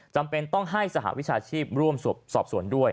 จำเป็นต้องให้สหวิชาชีพร่วมสอบสวนด้วย